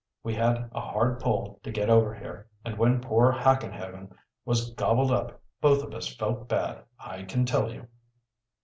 We had a hard pull to get over here, and when poor Hackenhaven was gobbled up both of us felt bad, I can tell you."